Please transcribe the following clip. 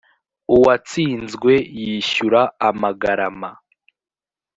uwatsinzwe yishyura amagarama